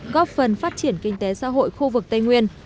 góp phần phát triển kinh tế xã hội khu vực tây nguyên